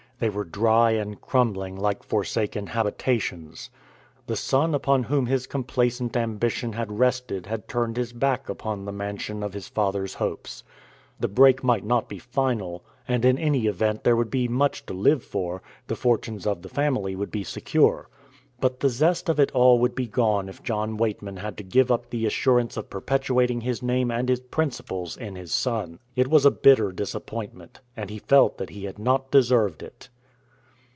They were dry and crumbling like forsaken habitations. The son upon whom his complacent ambition had rested had turned his back upon the mansion of his father's hopes. The break might not be final; and in any event there would be much to live for; the fortunes of the family would be secure. But the zest of it all would be gone if John Weightman had to give up the assurance of perpetuating his name and his principles in his son. It was a bitter disappointment, and he felt that he had not deserved it.